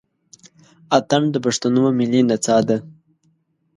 اتڼ د پښتنو ملي نڅا ده.